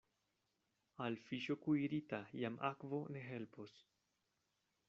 Al fiŝo kuirita jam akvo ne helpos.